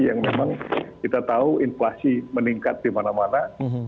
yang memang kita tahu inflasi meningkat dimana mana